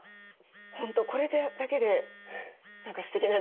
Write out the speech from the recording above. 本当これだけで何かすてきなデザート。